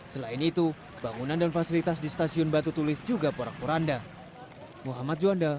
selain itu bangunan dan fasilitas di stasiun batu tulis juga porak poranda